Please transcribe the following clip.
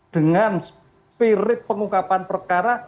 dengan spirit pengungkapan perkara